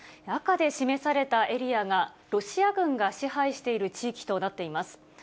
赤で示されたエリアがロシア軍が支配している地域となっています。